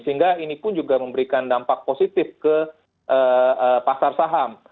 sehingga ini pun juga memberikan dampak positif ke pasar saham